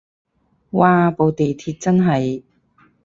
嘩部地鐵真係